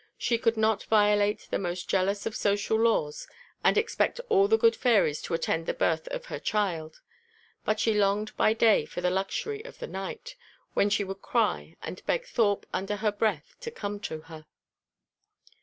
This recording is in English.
She could not violate the most jealous of social laws and expect all the good fairies to attend the birth of her child. But she longed by day for the luxury of the night, when she could cry, and beg Thorpe under her breath to come to her.